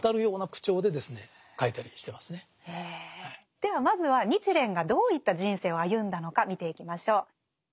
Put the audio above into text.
ではまずは日蓮がどういった人生を歩んだのか見ていきましょう。